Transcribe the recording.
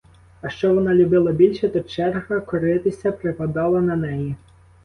А що вона любила більше, то черга коритися припадала на неї.